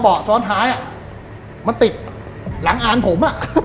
เผาเปาะสอนหายมันติดหลังอาหร่์ผม